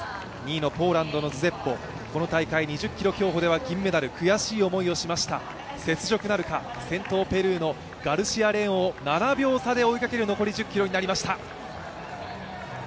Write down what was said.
２位のポーランドのズジェブウォ、この大会２０ｋｍ競歩では銀メダル、悔しい思いをしました、雪辱なるか先頭、ペルーのガルシア・レオンを７秒差で追いかける残り１０ｋｍになりました。